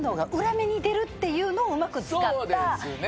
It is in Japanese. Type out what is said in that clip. そうですね。